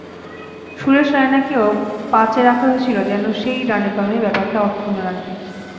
সুরেশ রায়নাকেও পাঁচে রাখা হয়েছিল যেন সেই ডান-বামের ব্যাপারটা অক্ষুণ্ন থাকে।